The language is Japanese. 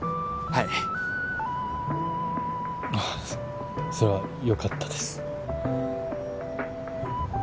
はいそれはよかったです